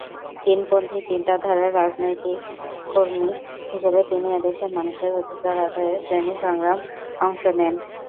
চীন পন্থী চিন্তাধারার রাজনৈতিক কর্মী হিসাবে তিনি এদেশের মানুষের অধিকার আদায়ে শ্রেনী সংগ্রামে অংশ নেন।